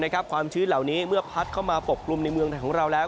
ความชื้นเหล่านี้เมื่อพัดเข้ามาปกกลุ่มในเมืองไทยของเราแล้ว